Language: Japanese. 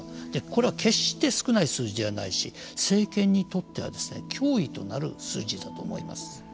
これは決して少ない数字ではないし政権にとっては脅威となる数字だと思います。